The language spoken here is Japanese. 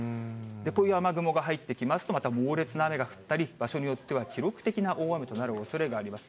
こういう雨雲が入ってきますと、また猛烈な雨が降ったり、場所によっては記録的な大雨となるおそれがあります。